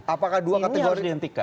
ini harus dihentikan